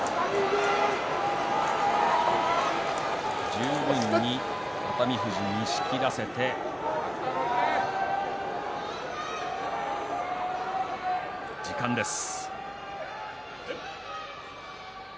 十分に熱海富士に仕切らせて時間です。